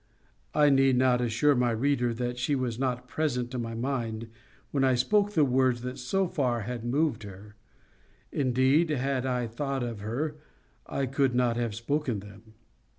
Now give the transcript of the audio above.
I need not assure my reader that she was not present to my mind when I spoke the words that so far had moved her. Indeed, had I thought of her, I could not have spoken them.